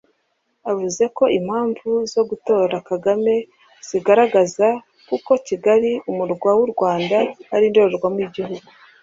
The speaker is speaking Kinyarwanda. Avuze ko impamvu zo gutora Kagame zigaragaza kuko Kigali umurwa w’u Rwanda ari indorerwamo y’igihugu